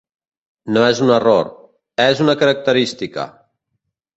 No és un error, és una característica!